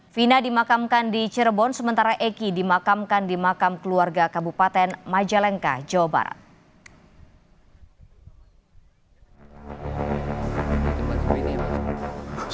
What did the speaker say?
fina dimakamkan di cirebon sementara eki dimakamkan di makam keluarga kabupaten majalengka jawa barat